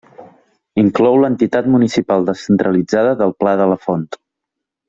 Inclou l'entitat municipal descentralitzada del Pla de la Font.